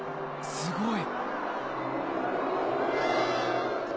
すごい！